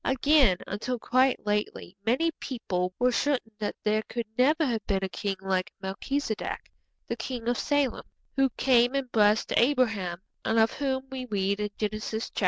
Again, until quite lately many people were certain that there could never have been a king like Melchizedek, the king of Salem, who came and blessed Abraham, and of whom we read in Genesis xiv.